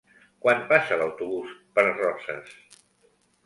Quan passa l'autobús per Roses?